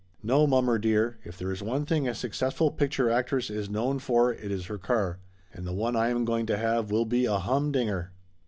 No, mommer dear, if there is one thing a successful picture actress is known for it is her car. And the one I am going to have will be a humdinger